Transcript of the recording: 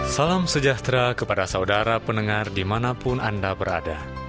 salam sejahtera kepada saudara pendengar dimanapun anda berada